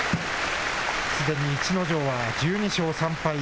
すでに逸ノ城は、１２勝３敗。